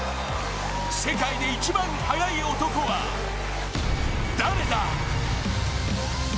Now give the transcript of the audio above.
世界で一番速い男は誰だ？